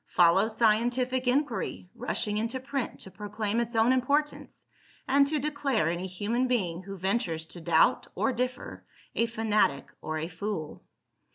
Follow scientific inquiry, rushing into print to proclaim its own importance, and to declare any human being, who ventures to doubt or differ, a fanatic or a fool.